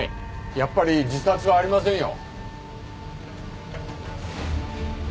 やっぱり自殺はありませんよ。